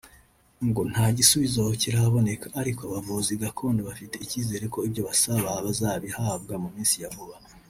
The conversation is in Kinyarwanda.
ngo nta gisubizo kiraboneka ariko abavuzi gakondo bafite icyizere ko ibyo basaba bazabihabwa mu minsi ya vuba